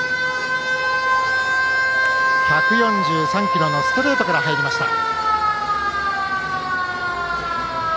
１４３キロのストレートから入りました。